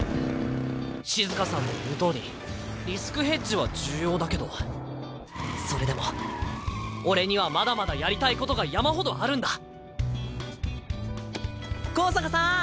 シズカさんの言うとおりリスクヘッジは重要だけどそれでも俺にはまだまだやりたいことが山ほどあるんだ香坂さん